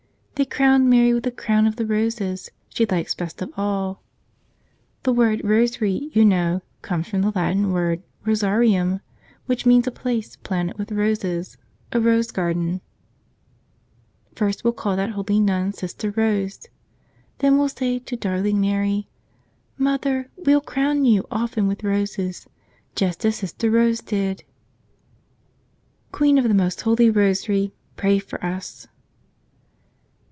They crowned Mary with a crown of the roses she likes best of all. The word "rosary," you know, comes from the Latin word "rosarium," which means a place planted with roses, a rose garden. First we'll call that holy nun Sister Rose. Then we'll say to darling Mary, "Mother, we'll crown you often with roses, just as Sister Rose did." "Queen of the most holy rosary, pray for us